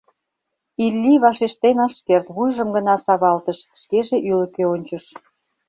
Илли вашештен ыш керт, вуйжым гына савалтыш, шкеже ӱлыкӧ ончыш.